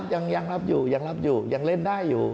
อย่างรับอยู่ยังเล่นได้อยู่